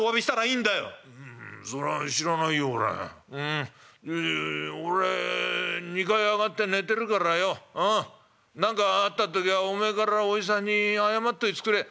ん俺２階上がって寝てるからようん何かあった時はお前からおじさんに謝っといつくれ」。